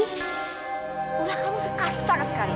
udah kamu tuh kasar sekali